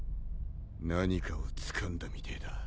何かをつかんだみてえだ。